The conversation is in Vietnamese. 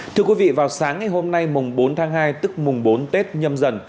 thưa quý vị vào sáng ngày hôm nay bốn tháng hai tức bốn tết nhâm dần